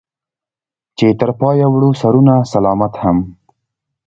چې تر پايه وړو سرونه سلامت هم